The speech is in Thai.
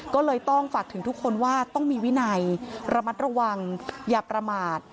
ก็เลยต้องฝากถึงทุกคนว่าต้องมีวินัยระมัดระวังอย่าประมาท